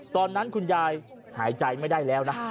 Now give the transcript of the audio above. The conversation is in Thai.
ตอนนั้นคุณยายหายใจไม่ได้แล้วนะ